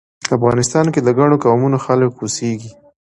افغانستان کې د ګڼو قومونو خلک اوسیږی